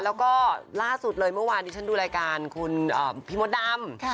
แล้วก็ล่าสุดเลยเมื่อวานที่ฉันดูรายการคุณพี่มดดำ